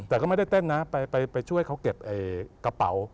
แต่ก็ไม่ได้เต้นนะไปช่วยเขาเก็บกระเป๋า